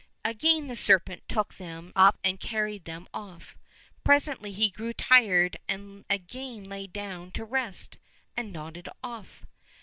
Again the serpent took them up and carried them off. Presently he grew tired and again lay down to rest, and nodded off.